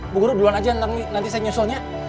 bu guru duluan aja nanti saya nyusulnya